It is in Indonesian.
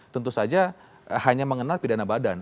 tentu saja hanya mengenal pidana badan